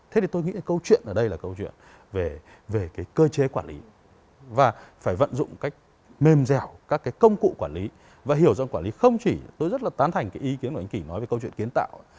thế thì tôi nghĩ câu chuyện ở đây là câu chuyện về cái cơ chế quản lý và phải vận dụng cách mềm dẻo các cái công cụ quản lý và hiểu rằng quản lý không chỉ tôi rất là tán thành cái ý kiến của anh kỳ nói về câu chuyện kiến tạo